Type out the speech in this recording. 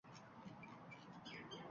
unga ham singmay, pastga oqib tushdi.